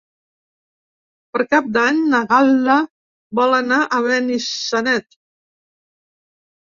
Per Cap d'Any na Gal·la vol anar a Benissanet.